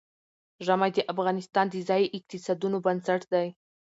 ژمی د افغانستان د ځایي اقتصادونو بنسټ دی.